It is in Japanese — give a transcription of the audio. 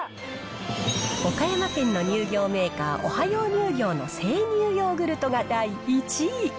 岡山県の乳業メーカー、オハヨー乳業の生乳ヨーグルトが第１位。